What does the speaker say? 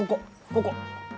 ここ！